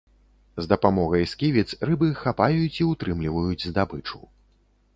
З дапамогай сківіц рыбы хапаюць і ўтрымліваюць здабычу.